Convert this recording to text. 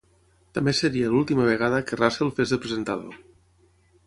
També seria l'última vegada que Russell fes de presentador.